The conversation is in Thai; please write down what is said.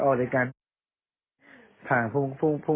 ก็เดี๋ยวพรุ่งนี้ตัวเองบอกคุณพัฒน์ว่า